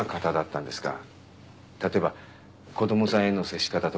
例えば子供さんへの接し方とか。